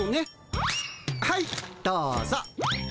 はいどうぞ。